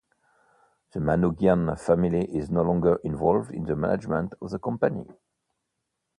The Manoogian family is no longer involved in the management of the company.